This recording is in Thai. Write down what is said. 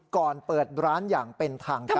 ก่อนเปิดร้านอย่างเป็นทางการ